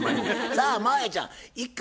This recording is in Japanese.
さあ真彩ちゃん一回